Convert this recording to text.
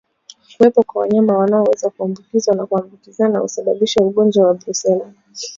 Kuwepo kwa wanyama wanaoweza kuambukizwa na kuambukiza husababisha ugonjwa wa Brusela